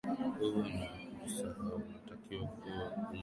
wewe ni wa kujisahau unatakiwa uwe makini sana